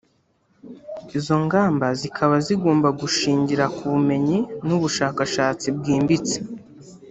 Izo ngamba zikaba zigomba gushingira ku bumenyi n’ubushakashatsi bwimbitse